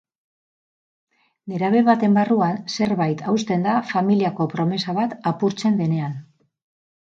Nerabe baten barruan zerbait hausten da familiako promesa bat apurtzen denean.